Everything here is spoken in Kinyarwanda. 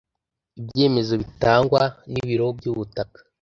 ibyemezo bitangwa n ibiro by ubutaka